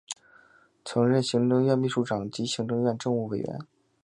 曾任行政院秘书长及行政院政务委员。